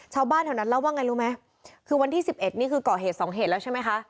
ชาวบ้านแถวนั้นเล่าว่าไงรู้ไหมคือวันที่สิบเอ็ดนี่คือก่อเหตุสองเหตุแล้วใช่ไหมคะ